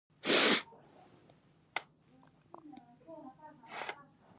آیا د تعویذونو کارول د روغتیا لپاره دود نه دی؟